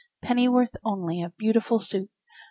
Pennyworth only of beautiful Soup?